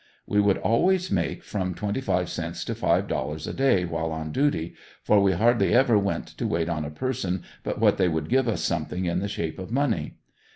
We would always make from twenty five cents to five dollars a day while on duty, for we hardly ever went to wait on a person but what they would give us something in the shape of money.